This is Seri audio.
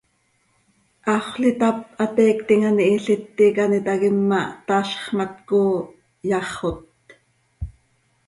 Haxöl itáp, hateiictim an ihiliti quih an itaquim ma, tazx ma, tcooo yaxot.